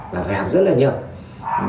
là phải học rất là nhiều